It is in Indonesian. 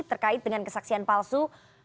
terkait dengan kesaksian palsu